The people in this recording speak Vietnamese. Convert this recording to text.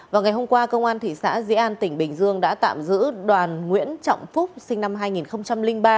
vào ngày hôm qua công an tp hcm đã tạm giữ đoàn nguyễn trọng phúc sinh năm hai nghìn ba